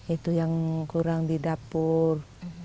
itu yang kurang di dapur